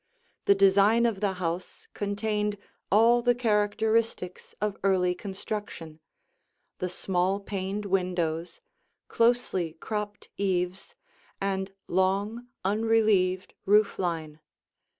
The design of the house contained all the characteristics of early construction, the small paned windows, closely cropped eaves, and long, unrelieved, roof line.